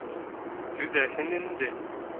— Түҙәһең инде.